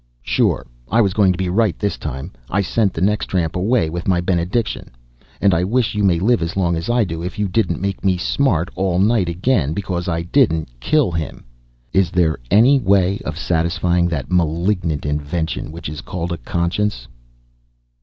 Sure I was going to be right this time, I sent the next tramp away with my benediction; and I wish you may live as long as I do, if you didn't make me smart all night again because I didn't kill him. Is there any way of satisfying that malignant invention which is called a conscience?"